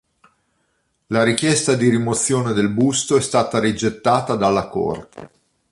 La richiesta di rimozione del busto è stata rigettata dalla corte.